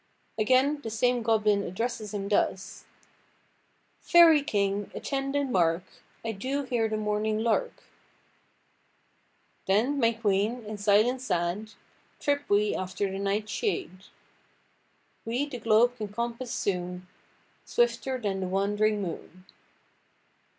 Again the same goblin addresses him thus:— "Fairy king, attend and mark, I do hear the morning lark. Obe. Then, my queen, in silence sad, Trip we after the night's shade— We the globe can compass soon, Swifter than the wand'ring moon."